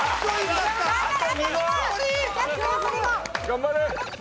頑張れ！